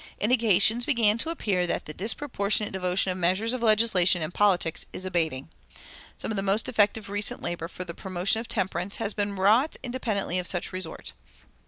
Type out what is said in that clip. [290:1] Indications begin to appear that the disproportionate devotion to measures of legislation and politics is abating. Some of the most effective recent labor for the promotion of temperance has been wrought independently of such resort.